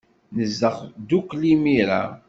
Nezdeɣ ddukkli imir-a.